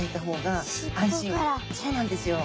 そうなんですよ。